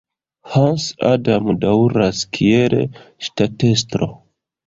Hans Adam daŭras kiel ŝtatestro.